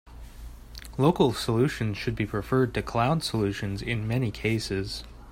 Local solutions should be preferred to cloud solutions in many cases.